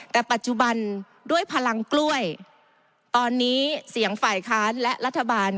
แต่ปัจจุบันด้วยพลังกล้วยตอนนี้เสียงฝ่ายค้านและรัฐบาล